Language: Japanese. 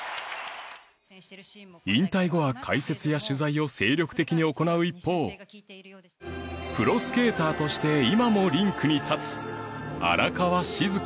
引退後は解説や取材を精力的に行う一方プロスケーターとして今もリンクに立つ